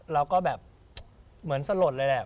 เราก็แบบเหมือนสลดเลยแหละ